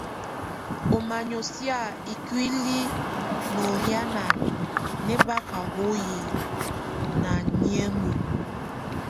Ɔ manyo síak ikúli nohuanan mɛ báka hoyi na nyɛmbɛ.